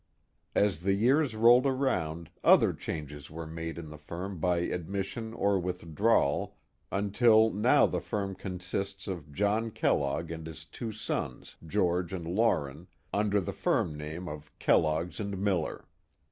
As the years rolled around, other changes were I made in the firm by admission or withdrawal, until now the kfirm consists of John Kellogg and his two sons. George and Lauren, under the firm name of Keltoggs & Miller.